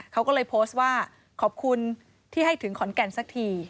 เขาก็เลยโพสต์ว่าขอบคุณที่ให้ถึงขอนแก่นสักที